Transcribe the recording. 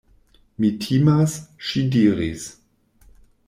Mi timas, ŝi diris.